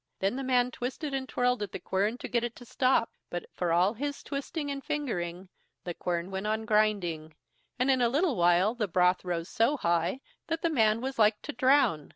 Then the man twisted and twirled at the quern to get it to stop, but for all his twisting and fingering the quern went on grinding, and in a little while the broth rose so high that the man was like to drown.